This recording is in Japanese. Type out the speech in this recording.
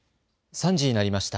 ３時になりました。